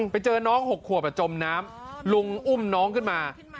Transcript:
ไปเจอน้อง๖ขวบจมน้ำลุงอุ้มน้องขึ้นมา